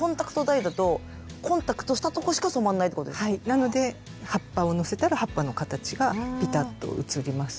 なので葉っぱをのせたら葉っぱの形がピタッと移りますし。